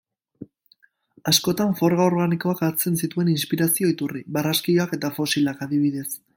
Askotan, forma organikoak hartzen zituen inspirazio-iturri, barraskiloak eta fosilak adibidez.